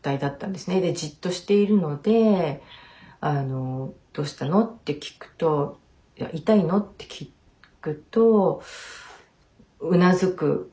でじっとしているのでどうしたの？って聞くといや痛いの？って聞くとうなずく感じで。